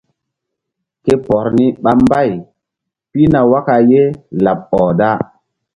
Ke por ni ɓa mbay pihna waka ye laɓ ɔh da.